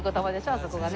あそこがね。